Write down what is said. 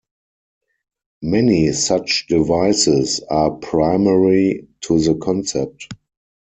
Many such devices are primary to the concept.